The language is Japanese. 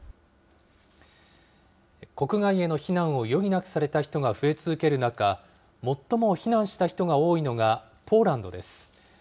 国外への避難を余儀なくされた人が増え続ける中、最も避難した人が多いのが、ポーランドです。